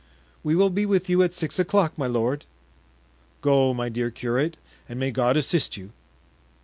"We will be with you at six o'clock, my lord." "Go, my dear curate, and may God assist you!"